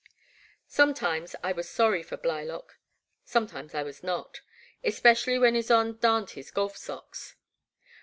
Sometimes I was sorry for Blylock, sometimes I was not, especially when Ysonde darned his golf stockings.